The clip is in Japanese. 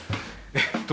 えっと